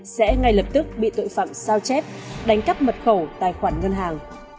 sẽ ngay lập tức bị tội phạm sao chép đánh cắp mật khẩu tài khoản ngân hàng